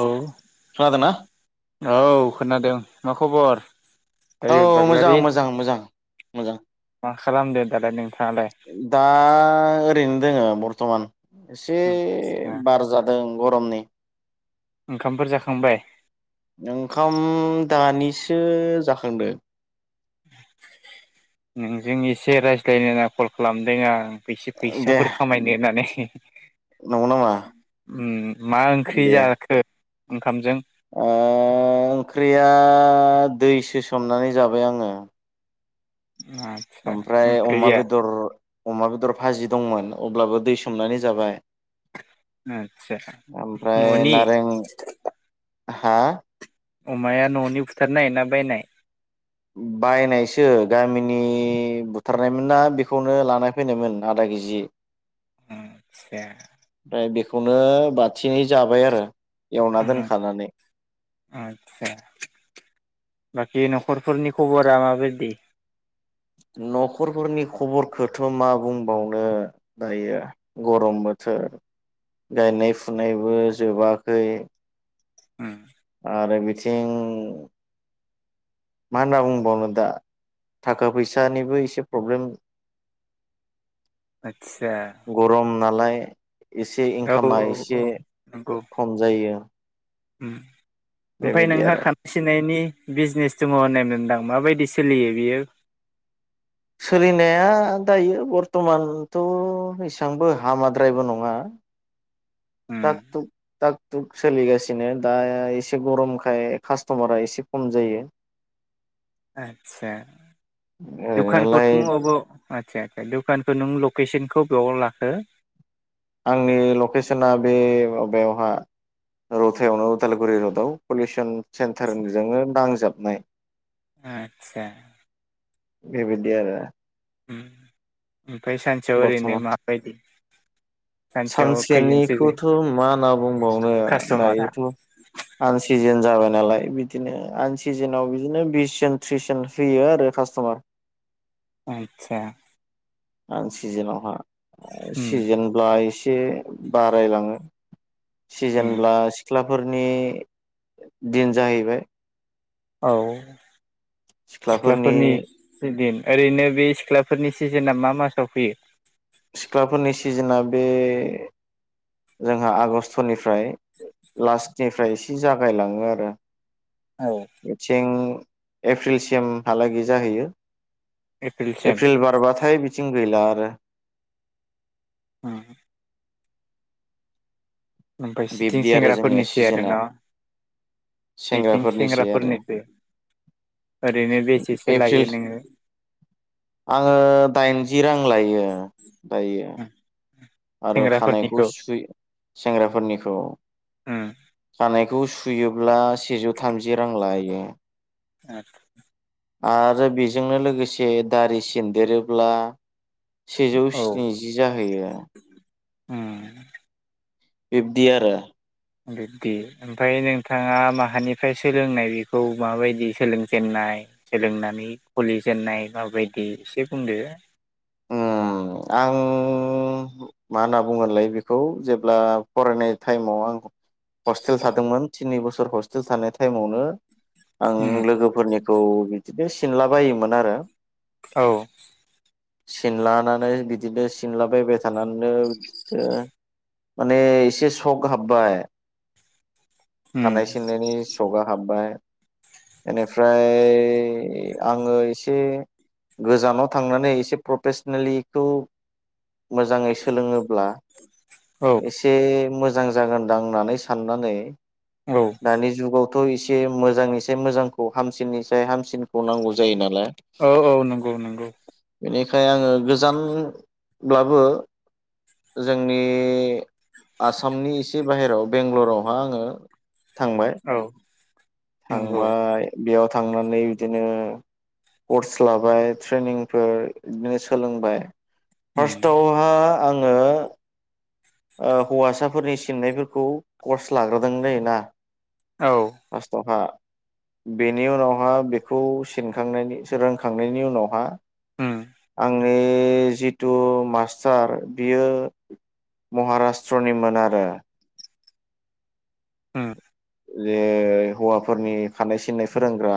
औ खोनादोंना? औ खोनादों मा खबर औ दायुद मोजां बाग्लारि मोजां मोजां मोजां मा खालामदो दालाय नों दा ओरैनो दोङो बर्थमान एसे आदसा बार जादों गरमनि ओंखामफोर जाखांबाय ओंखाम दानिसो जाखांदों नोंजों एसे रायज्लायनो होनना कल खालामदों आं एसे दे फैसाफोर खामायनो होननानै नंगौ नामा उम मा ओंख्रि दे जाखो ओंखामजों ओ ओंख्रिया दैसो सोमनानै जाबाय आङो आदसा ओमफ्राय अमा ओंख्रिया बेदर अमा बेदर भाजि दंमोन अब्लाबो दै सोमनानै जाबाय आदसा ओमफ्राय न'नि नारें हा अमाया न'नि बुथारनाय ना बायनाय बायनायसो गामिनि बुथारनायमोन ना बेखौनो लान फैनायमोन आदाय जि आचा खौनो बाथिनै जाबाय आरो एवना दोनखानानै आदसा बाखि न'खरफोरनि खबरा माबायदि न'खरफोरनि खबरखौथ' मा बुंबावनो दायो गरम बोथोर गायनाय फुनायबो जोबाखै [unintelligible] आरो बिथिं मा होनना बुंबावनो दा थाखा फैसानिबो एसे प्रब्लेम [unintelligible] आदसा गरम नालाय एसे औ इनकामा औ एसे औ नंगौ खम जायो ओमफ्राय बेबायदि नोंहा आरो खानाय सिनायनि बिजनेस दङ होननायमोनदां माबायदि सोलियो बियो सोलिनाया दायो बरथमानथ' एसेबांबो हामाद्रायबो नङा उम थक तुक टाक टुक सोलिगासिनो दा एसे गरमखाय कास्टमारा एसे खम जायो आतसा दखान खौथ' ओरैनोलाय [inaudible] आदसा दुखानखौ नों लकेसनखौ बेयाव लाखो आंनि लकेसना बे माबायावहा रौथायावनो उदालगुरि रडआव पलिउसन सेन्टारजोंनो नांजाबनाय आतसा बेबायदि आरो आमफाय सानसेयाव ओरैनो बर्थमान माबायदि सानसेयाव खैजोनसो सानसेनिखौथ' मा होनना बुंबावनो कास्ट'मारा दायोथ' मानसि सिजोन जाबाय नालाय बिदिनो आन सिजोनाव बिदिनो बिस जोन थ्रिस जन फैयो आरो कास्ट'मार आतसा आन सिजोनावहा उम सिजोनब्ला एसे बारायलाङो उम सिजेनब्ला सिख्लाफोरनि दिन जाहैबाय औ सिख्लाफोरनि सि दिन ओरैनो बे सिख्लाफोरनि सिजोनना मा मासाव फैयो सिख्लाफोरनि सिजोनआ बे जोंहा आगस्टनिफ्राय लास्टनिफ्राय एसे जागायलाङो आरो औ बिथिं एप्रिलसिमहालागै जाहैयो एप्रिलसिम एप्रिल बारबाथाय बिथिं गैला आरो उम ओमफ्राय सिथिं बिब्दि आरो जोंनिया सेंग्राफोरनिसै आरो सिजोनआ ना इथिं सेंग्राफोरनिसै आरो सेंग्राफोरनिसो ओरैनो बेसेसो एप्रिल लायो नोङो? आङो दाइनजि रां लायो दायो आरो खानायखौ सेंग्राफोरनिखौ सु सेंग्राफोरनिखौ उम खानायखौ सुयोब्ला सेजौ थामजि रां लायो आरो आरो बेजोंनो लोगोसे दारि सिनदेरोब्ला सेजौ औ स्निजि जाहैयो उम बिबदि आरो बिदि ओमफ्राय नोंथाङा माहानिफ्राय सोलोंनाय बेखौ माबायदि सोलोंजेनन्नाय? सोलोंनानै खुलि जेननाय माबायदि एसे बुंदो उम आं मा होनना बुङोनलाय बेखौ जेब्ला फरायनाय टाइमाव आं हस्टेल थादोंमोन थिन बोसोर हस्टेल थानाय टाइमावनो आं उम लोगोफोरनिखौ बिदिनो सिनलाबायोमोन आरो औ सिनलानानै बिदिनो सिनलाबायबाय थानानैनो ओ माने एसे सक हाबबाय उम खानाय सिननायनि सका हाबबाय बेनिफ्राय आङो एसे गोजानाव थांनानै एसे प्रफेसनेलिखौ मोजाङै सोलोङोब्ला औ एसे मोजां जागोनदां होननानै साननानै औ दानि जुगाव थ' एसे मोजांनिसाय मोजांखौ हामसिननिसाय हामसिनखौ नांगौ जायो नालाय औ औ नंगौ नंगौ बेनिखाय आङो गोजानब्लाबो जोंनि आसामनि एसे बाहेराव बेंगालरावहा आङो थांबाय औ नंगौ थांबाय बेयाव थांनानै बिदिनो कर्स लाबाय, ट्रेनिंफोर बिदिनो सोलोंबाय। उम फार्स्टआवहा आङो हौवासाफोरनि सिननायफोरखौ कर्स लाग्रोदोंलै ना औ फार्स्तआवहा बेनि उनावहा बेखौ सिनखांनायनि रोंखांनायनि उनावहा उम आंनि जिथु मास्टार बियो। महाराष्ट्रनिमोन आरो ओम जे हौवाफोरनि खानाय सिननाय फोरोंग्रा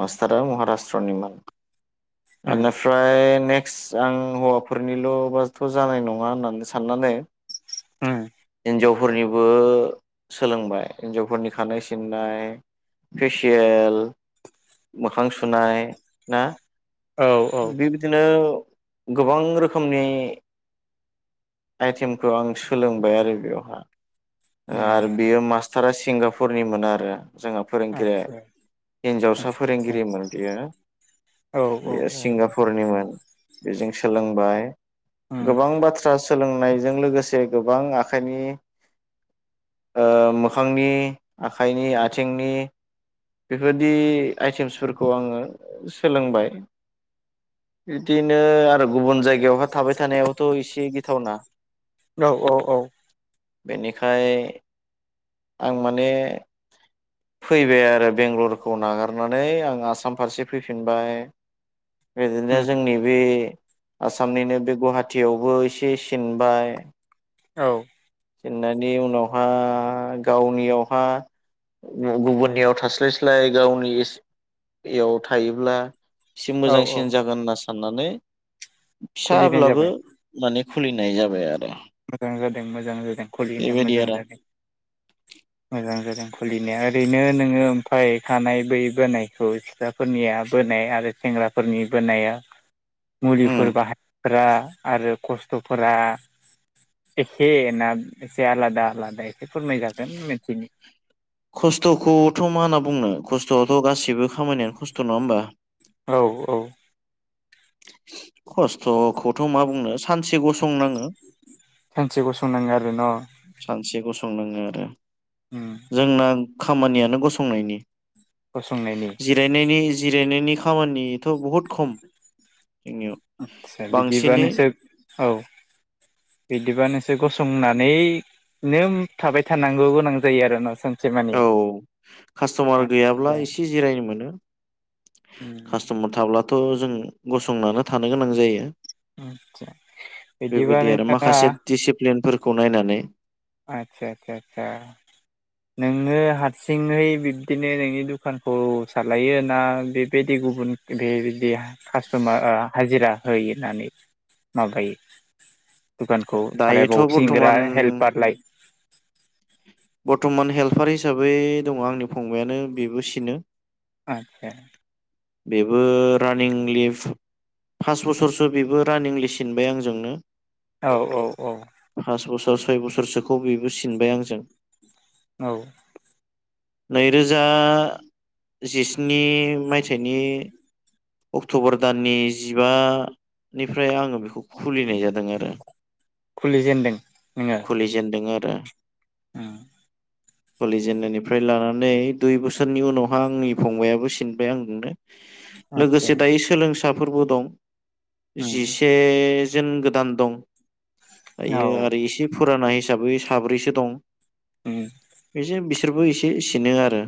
मास्टारा महाराष्ट्रनिमोन उम बेनिफ्राय ने क्स आं हौवाफोरनिल' बाथ' जानाय नङा होननानै साननानै ओम हिनजावफोरनिबो सोलोंबाय। हिन्जावफोरनि खानाय सिननाय, फेसियेल मोखां सुनाय ना औ औ बेबायदिनो गोबां रोखोमनि आइटेमखौ आं सोलोंबाय आरो बेवहाय। आरो बेयो मास्टारा सिंगापुरनि मोन आरो जोंहा फोरोंगिरि आदसा हिन्जावसा आदसा फोरोंगिरिमोन बियो औ औ बेयो औ सिंगापुरनिमोन बेजों सोलोंबाय, उम गोबां बाथ्रा सोलोंनायजों लोगोसे गोबां आखाइनि ओ मो खांनि आखाइनि आथिंनि बेफोरबायदि आइटेम्सफोरखौ आङो सोलोंबाय बिदिनो आरो गुबुन जाय गायावहााय थाबाय थानायावथ' एसे गिथावना औ औ औ बेनिखाय आं माने फैबाय आरो बेंगलरखौ नागारनानै आं आसाम फारसे फैफिनबाय बिदिनो उम जोंनि बे आसामनिनो बे गुवाहाटियावबो एसे सिनबाय औ सिननायनि उनावहाय गावनियावहा गुबुननियाव थास्लायस्लाय गावनि एसे याव थायोब्ला एसे औ औ मोजांसिन जागोन होनना साननानै खुलिनाय फिसाब्लाबो जाबाय माने खुलिनाय जाबाय आरो। मोजां जादों मोजां जादों खुलिनाया बेबायदि मोजां आरो जादों मोजां जादों। खुलिनाया, ओरैनो नोङो ओमफ्राय खानाय बोयै बोनायखौ सिख्लाफोरनिया बोनाय आरो सेंग्रा खग्राफोरनि ब नाया मुलिफोर उम बाहायफोरा आरो खस्थ'फोरा एखे ना एसे आलादा आलादा फोरमायजागोन मिथिनो खस्थ'खौथ' मा होनना बुंनो खस्थ'आथ' गासिबो खामानिानो खुस्थ' नंङा होमबा औ औ खस्थ'खौथ' मा बुंनो सानसे गसंनाङो सनांङो आरो न' एसे गसंदङो आरो उम जोंना खामानियानो गसंनायनि फसंनायनि जिरायनायनि जिरायनायनि खामानिथ' बहुत खम जोंनियाव आतसा बांसिनै बिदिबानोसो औ बिदिबा नोंसोर गसंनानैनो थाबाय थानांगौ गोनां जायो आरो ना सों औ कास्ट'मार गैयाब्ला आदसा एसे जिरायनो मोनो उम कास्ट'मार थाब्लाथ' जों गसंनानै थानो गोनां जायो। आदसा बिदिबा बेबायदि आरो नोंथाङा माखासे दिसिप्लिनफोरखौ नायनानै आतसा आतसा आतसा नोङो हारसिङै बिब्दिनो नोंनि दुखानखौ सालायो ना बेबायदि गुबुन बेबायदि कास्ट'मार ओ हाजिरा होयो होननानै माबायो दुखानखौ दायोथ' सालायबावो सिंग्रा बर्थमान हेल्प बर्थ'मान हेल्पार हिसाबै दङ आंनि फंबायाइानो बेबो सिनो आतसा बेबो रानिं लिभ फास बोसोरसो बेबो रानिंलि सिनबाय आंजोंनो। औ औ औ पास बोसोर सय बोसोरसोखौ बेबो सिनबाय आंजों औ नैरोजा जिस्नि मायथाइनि अक्ट'बर दाननि जिबानिफ्राय आङो बेखौ खुलिनाय जादों आरो खुलिजेेनदों नोङो दा ओम कुलिजेननानिफ्राय लानानै दुइ बोसोरनि उनावहा आंनि फंबायाइाबो सिनबाय आंजोंनो आदसा लोगोसे दायो सोलोंसाफोरबो दं उम जिसे जोन गोदान दं औ दायो आरो इसे फुराना हिसाबै साब्रैसो दं। उम बिसो बिसोरबो एसे सिनो आरो।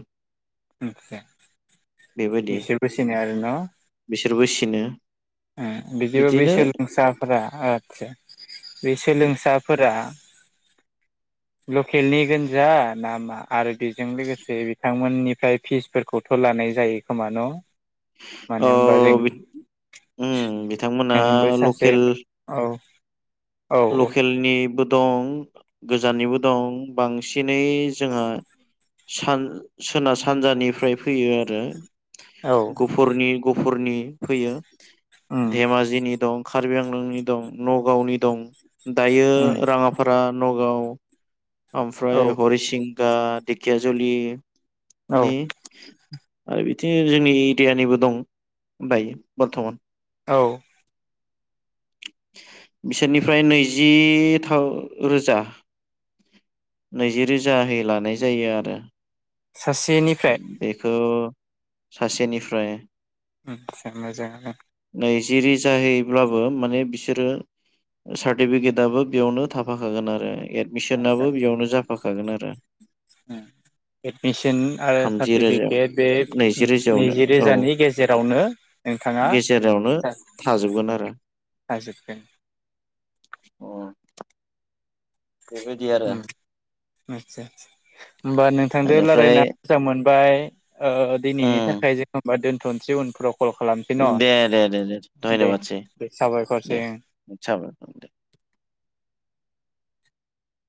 [inaudible] बेबायदि बिसोरबो सिनो आरो न' बिसोरबो सिनो ओ बिदिबा बे बिदिनो सोलोंसाफोरा आतसा बे सोलोंसाफोरा लकेलनि गोनजा नामा आरो बेजों लोगोसे बिथांमोननिफ्राय फिसफोरखौथ' लानाय जायो खोमा न' अ मानो होनबा जों बिद उम बिथांमोना नोंबो सासे लकेल औ औ लकेलनि बो दं गोजाननिबो दं बांसिनै जोंहा सान सोनाब सानजानिफ्राय फै फैयो आरो औ गुफुरनि गुफुरनि फैयो उम धेमाजिनि दं कार्बि आंलंनि दं नगावनि दं। दायो उम राङाफारा नगाव ओमफ्राय औ हरिसिं गा धेखियाजुलि औ नि आरो बिदिनो जोंनि एरियानिबो दं दायो बर्थमान औ बिसोरनिफ्राय नैजिथाम रोजा नैजि रोजाहै लानाय जायो आरो। सासेनिफ्राय बेखौ सासेनिफ्राय [inaudible] मोजांआनो नैजि रोजाहैब्लाबो माने बिसोरो सार्टिफिकेटबो बेयावनो थाफाखागोन आरो आदसा एदमिसनाबो बेयावनो जाफाखागोन आरो उम एडमिसन आरो थामजि रोजायाव सार्टिफिकेट बे नैजि रोजायावनो नैजि औ रोजानि गेजेरावनो नोंथाङा गेजेरावनो जा थाजोबगोन आरो हाजोबगोन अ बेबायदि आरो उम आदसा आसा होमबा नोंथांजों बेनिफ्राय रायजलायना मोजां मोनबाय। दिनैनि थाखाय उम जेनबा दोनथ'नोसै उनफ्राव कल खालामसै दे दे दे दे न' दे धन्यबादसै दे साबायखर ओं [unintelligible] [inaudible]